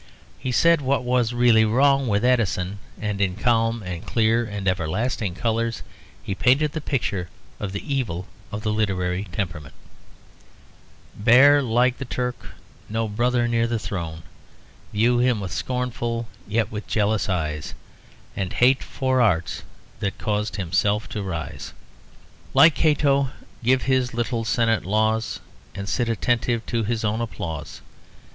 He said what was really wrong with Addison; and in calm and clear and everlasting colours he painted the picture of the evil of the literary temperament: "Bear, like the Turk, no brother near the throne, View him with scornful, yet with jealous eyes, And hate for arts that caused himself to rise. Like Cato give his little Senate laws, And sit attentive to his own applause.